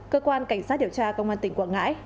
cơ quan cảnh sát điều tra công an tỉnh quảng ngãi